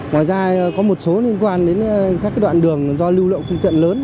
ngoài ra có một số liên quan đến các đoạn đường do lưu lượng phương tiện lớn